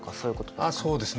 ああそうですね。